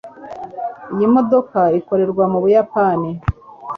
iyi modoka ikorerwa mu buyapani